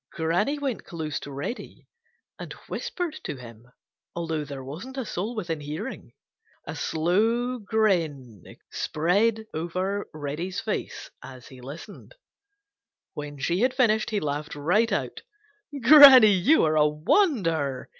Granny went close to Reddy and whispered to him, although there wasn't a soul within hearing. A slow grin spread over Reddy's face as he listened. When she had finished, he laughed right out. "Granny, you are a wonder!"